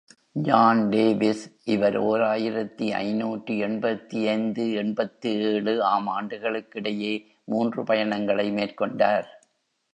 John Davis இவர் ஓர் ஆயிரத்து ஐநூற்று எண்பத்தைந்து எண்பத்தேழு ஆம் ஆண்டுகளுக்கிடையே மூன்று பயணங்களை மேற்கொண்டார்.